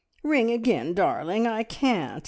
"Ring again, darling! I can't.